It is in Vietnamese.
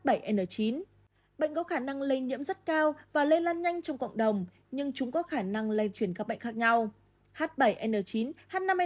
bệnh có khả năng lây nhiễm rất cao và lây lan nhanh trong cộng đồng nhưng chúng có khả năng lây chuyển các bệnh khác nhau